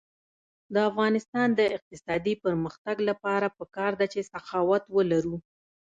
د افغانستان د اقتصادي پرمختګ لپاره پکار ده چې سخاوت ولرو.